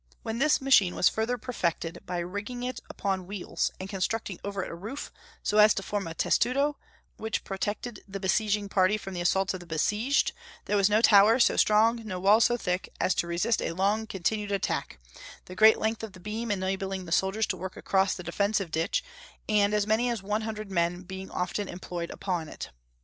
When this machine was further perfected by rigging it upon wheels, and constructing over it a roof, so as to form a testudo, which protected the besieging party from the assaults of the besieged, there was no tower so strong, no wall so thick, as to resist a long continued attack, the great length of the beam enabling the soldiers to work across the defensive ditch, and as many as one hundred men being often employed upon it.